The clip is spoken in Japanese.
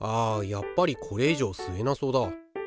やっぱりこれ以上吸えなそうだ。